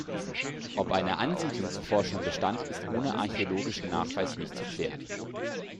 Ob eine Ansiedlung zuvor schon bestand, ist ohne archäologischen Nachweis nicht zu klären.